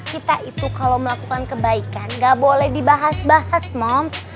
kita itu kalau melakukan kebaikan gak boleh dibahas bahas moms